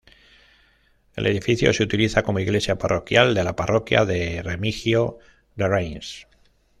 El edificio se utiliza como iglesia parroquial de la parroquia de Remigio de Reims.